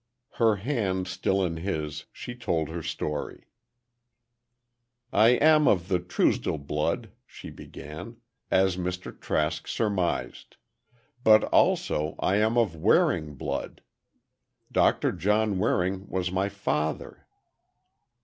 Her hand still in his, she told her story. "I am of Truesdell blood," she began, "as Mr. Trask surmised. But, also, I am of Waring blood. Doctor John Waring was my father."